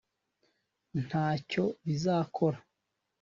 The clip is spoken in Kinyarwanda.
ntacyo bizakora